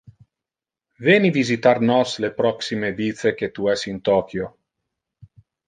Veni visitar nos le proxime vice que tu es in Tokyo!